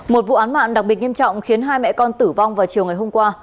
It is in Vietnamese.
một vụ án mạng đặc biệt nghiêm trọng khiến hai mẹ con tử vong vào chiều ngày hôm qua